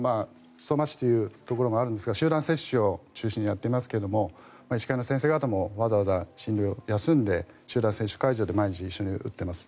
相馬市というところもあるんですが集団接種を中心にやっていますが医師会の先生方もわざわざ診療を休んで集団接種会場で毎日、一緒に打っています。